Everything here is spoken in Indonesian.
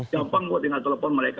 gampang gue tinggal telepon mereka